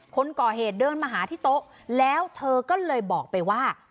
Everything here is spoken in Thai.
คนก่อเหตุเดินมาหาที่โต๊ะแล้วเธอก็เลยบอกไปว่า